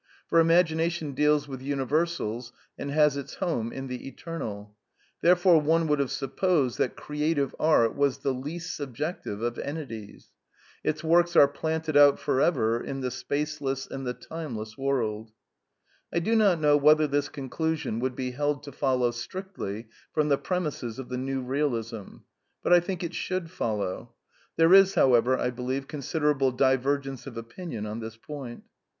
For imagination deals with universals, and has its home in the eternal. Theref ^e one would have supp ose^ thftt fiTfiflt"^ A]»t TTflg \}\t^. ]^ii^flnlijp/>tivp nf flnfi'fifla Its works are planted out for evef'^*'tKe spaceTesS and the timeless world. I do not know whether this conclusion would be held to follow strictly from the premisses of the ITew Bealism. But I think it should follow. There is, however, I be lieve, considerable divergence of opinion on this point.